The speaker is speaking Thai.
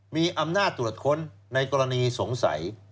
มีอำนาจตรวจค้นในกรณีสงสัย